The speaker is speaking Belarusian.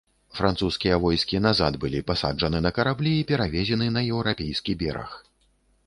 Французскія войскі назад былі пасаджаны на караблі і перавезены на еўрапейскі бераг.